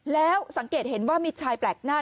แล้วสังเกตเห็นว่ามีชายแปลกหน้า